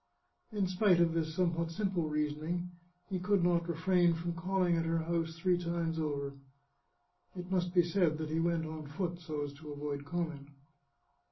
In spite of this somewhat simple reasoning, he could not refrain from calling at her house three times over. It must be said that he went on foot so as to avoid comment.